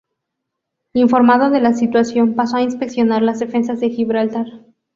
Informado de la situación, pasó a inspeccionar las defensas de Gibraltar.